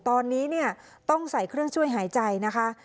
ตอนนี้เนี่ยต้องใส่เครื่องช่วยหายใจนะคะ